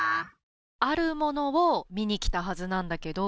あるものを見に来たはずなんだけど。